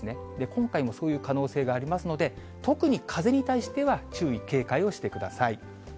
今回もそういう可能性がありますので、特に風に対しては注意、警戒をしてください。